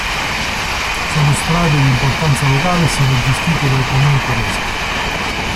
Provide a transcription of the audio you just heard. Sono strade di importanza locale e sono gestite dai comuni tedeschi.